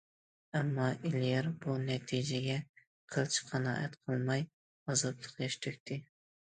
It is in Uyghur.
ئەمما ئېلىيار بۇ نەتىجىگە قىلچە قانائەت قىلماي، ئازابلىق ياش تۆكتى.